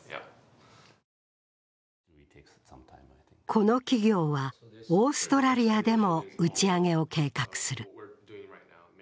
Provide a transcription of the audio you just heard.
この企業はオーストラリアでも打ち上げを計画する。